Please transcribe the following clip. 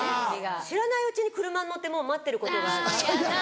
知らないうちに車に乗ってもう待ってることがある。